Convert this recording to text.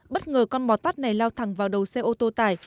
bất ngờ con bò tót này lao thẳng vào đầu xe ô tô tải